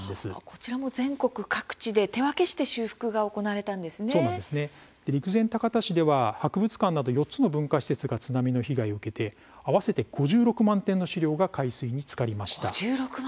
こちらも全国各地で手分けして修復が陸前高田市では博物館など４つの文化施設が津波の被害を受けまして合わせて５６万点の資料が海水につかりました。